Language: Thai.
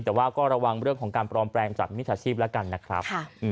แต่ว่าก็ระวังเรื่องของการปลอมแปลงจากมิจฉาชีพแล้วกันนะครับ